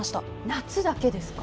夏だけですか？